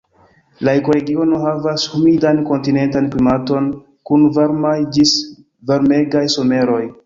La ekoregiono havas humidan kontinentan klimaton kun varmaj ĝis varmegaj someroj.